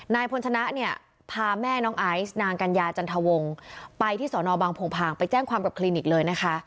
นายพลชนะเนี่ยพาแม่น้องไอซ์นางกัญญาจันทวงไปที่สอนอบางโพงพางไปแจ้งความกับคลินิกเลยนะคะ